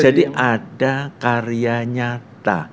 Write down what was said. jadi ada karya nyata